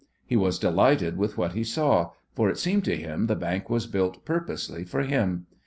He was delighted with what he saw, for it seemed to him the bank was built purposely for him.